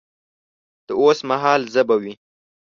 د اوس مهال ژبه وي